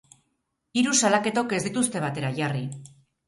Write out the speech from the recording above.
Hiru salaketok ez dituzte batera jarri.